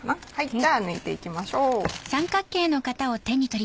じゃあ抜いていきましょう。